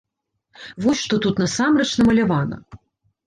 Вось што тут насамрэч намалявана.